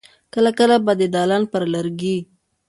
کله کله به د دالان پر لرګي.